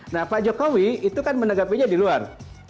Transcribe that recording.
nah pak jokowi itu kan menanggapinya di luar